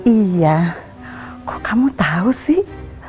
iya kok kamu tau sih